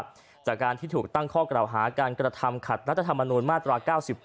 มีออกประการที่ถูกตั้งข้อกร่าวหาการกระทำขัดนัตรธรรมนูลมาตรา๙๘